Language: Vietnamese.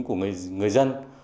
của người dân